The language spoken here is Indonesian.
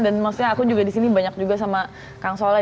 dan maksudnya aku juga disini banyak juga sama kang soley